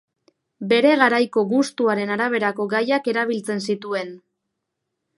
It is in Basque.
Bere garaiko gustuaren araberako gaiak erabiltzen zituen.